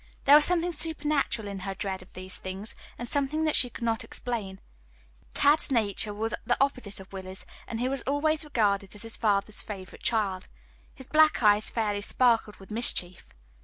There was something supernatural in her dread of these things, and something that she could not explain. Tad's nature was the opposite of Willie's, and he was always regarded as his father's favorite child. His black eyes fairly sparkled with mischief.